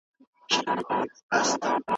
که نجونې باغوانې وي نو ګلونه به نه مري.